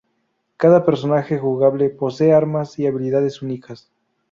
Cada personaje jugable posee armas y habilidades únicas.